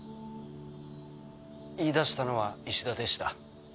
言いだしたのは衣氏田でした。